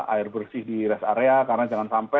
air bersih di rest area karena jangan sampai